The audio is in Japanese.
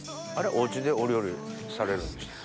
おうちでお料理されるんでしたっけ。